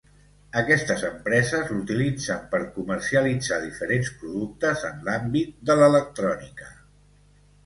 Aquestes empreses l'utilitzen per comercialitzar diferents productes en l'àmbit de l'electrònica.